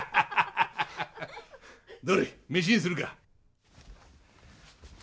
どれ飯にするか。